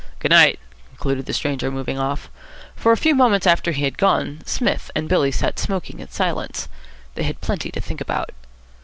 "Good night," concluded the stranger, moving off. For a few moments after he had gone, Psmith and Billy sat smoking in silence. They had plenty to think about.